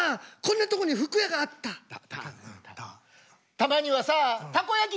たまにはさたこ焼き